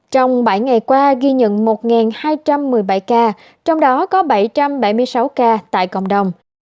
trong bảy ngày qua ghi nhận một hai trăm một mươi bảy ca trong đó có bảy trăm bảy mươi sáu ca tại cộng đồng